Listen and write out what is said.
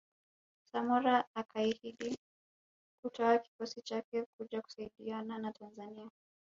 Samora akaahidi kutoa kikosi chake kuja kusaidiana na Tanzania